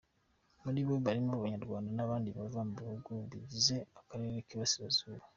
Muri bo harimo Abanyarwanda n’abandi bava mu bihugu bigize akarere k’Iburasirazuba.